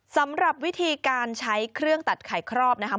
สำหรับวิธีการใช้เครื่องตัดไข่ครอบนะครับ